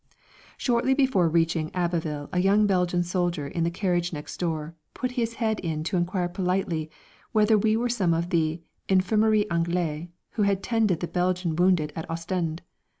Shortly before reaching Abbeville a young Belgian soldier in the carriage next door put his head in to inquire politely whether we were some of the infirmières anglaises who had tended the Belgian wounded in Ostend.